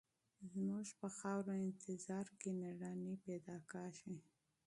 زموږ په خاوره انتظار کې مېړني پیدا کېږي.